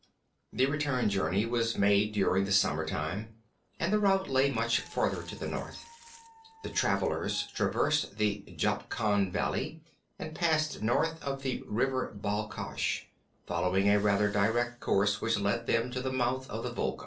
The return journey was made during the summertime, and the route lay much farther to the north. The travelers traversed the Jabkan Valley and passed north of the River Bal Cash, following a rather direct course which led them to the mouth of the Volga.